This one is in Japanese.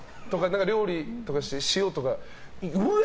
料理とかして塩とかおら！